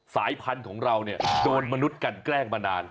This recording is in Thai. สายพันธุ์ของเราเนี่ยโดนมนุษย์กันแกล้งมานาน